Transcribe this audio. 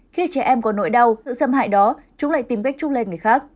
khi trẻ em có nỗi đau sự xâm hại đó chúng lại tìm cách trung lên người khác